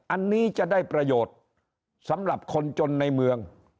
อันนี้จะได้ประโยชน์สำหรับคนจนในเมือง